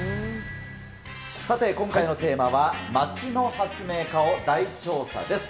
さて、今回のテーマは、町の発明家を大調査です。